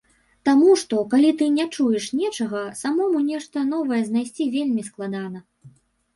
Таму што, калі ты не чуеш нечага, самому нешта новае знайсці вельмі складана.